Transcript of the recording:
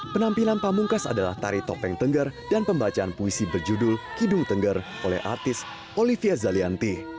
penampilan pamungkas adalah tari topeng tengger dan pembacaan puisi berjudul kidung tengger oleh artis olivia zalianti